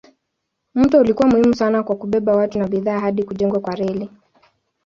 Mto ulikuwa muhimu sana kwa kubeba watu na bidhaa hadi kujengwa kwa reli.